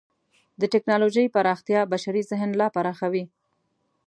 د ټکنالوجۍ پراختیا د بشري ذهن لا پراخوي.